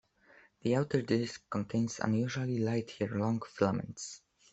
The outer disk contains unusual light-year-long filaments.